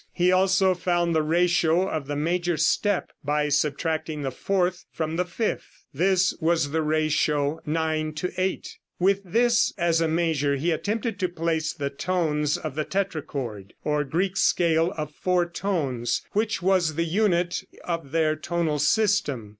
He also found the ratio of the major step by subtracting the fourth from the fifth. This was the ratio 9:8. With this as a measure he attempted to place the tones of the tetrachord, or Greek scale of four tones, which was the unit of their tonal system.